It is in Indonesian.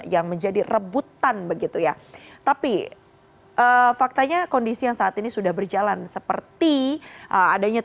yang menjadi rebutan begitu ya